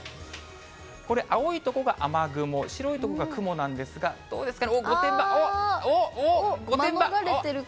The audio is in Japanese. これ、青い所が雨雲、白い所が雲なんですが、どうですかね、御殿場、おっ、おっ、御殿場。